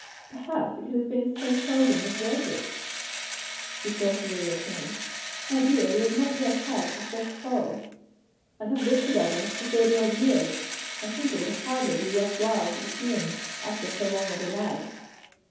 "Perhaps because it has so seldom been exerted," she saucily returned. "My dear, we have not yet had our first quarrel." "And have lived together for thirty odd years. I think it would hardly be worth while to begin after so long a delay."